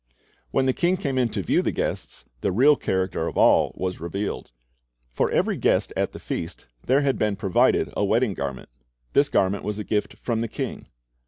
When the king came in to view the guests, the real character of all was revealed. For every guest at the feast there had been provided a wedding garment. This garment was a gift from the king.